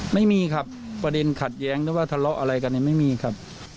ไม่มีครับประเด็นขัดแย้งหรือว่าทะเลาะอะไรกันเนี่ยไม่มีครับ